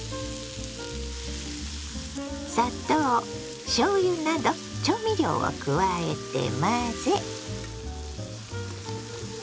砂糖しょうゆなど調味料を加えて混ぜ。